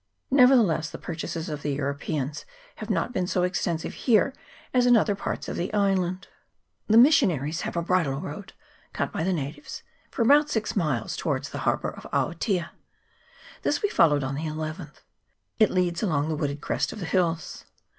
Nevertheless the purchases of the Europeans have not been so extensive here as in other parts of the island. The missionaries have a bridle road, cut by the natives, for about six miles towards the harbour of CHAP. XXII.] AOTEA. 307 Aotea; this we followed on the llth. It leads along the wooded crest of the hills.